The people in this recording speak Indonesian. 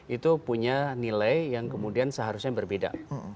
itu punya nilai yang kemudian seharusnya berbeda